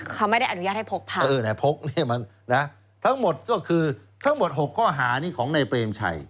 เขาไม่ได้อนุญาตให้พกพาทั้งหมด๖ข้อหานี่ของนายเปรมชัย